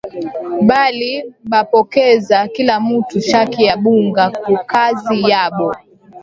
Bali bapokeza kila mutu saki ya bunga ku kazi yabo